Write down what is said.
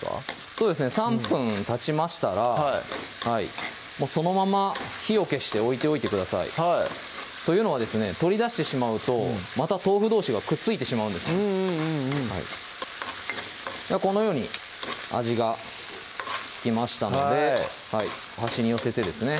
そうですね３分たちましたらそのまま火を消して置いておいてくださいというのはですね取り出してしまうとまた豆腐どうしがくっついてしまうんですこのように味が付きましたので端に寄せてですね